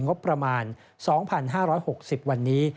งบประมาณ๒๕๖๐วันนี้